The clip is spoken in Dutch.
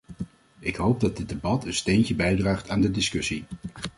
Ik hoop dat dit debat een steentje bijdraagt aan de discussie.